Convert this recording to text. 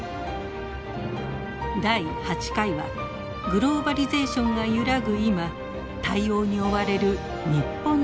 第８回はグローバリゼーションが揺らぐ今対応に追われる日本の姿です。